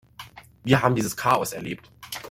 Wir haben dieses Chaos erlebt.